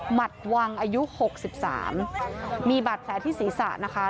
หมัดวังอายุหกสิบสามมีบัตรแผลที่ศีรษะนะคะ